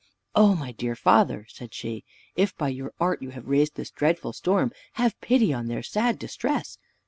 "O my dear father," said she, "if by your art you have raised this dreadful storm, have pity on their sad distress.